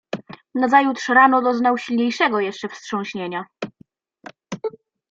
"Nazajutrz rano doznał silniejszego jeszcze wstrząśnienia."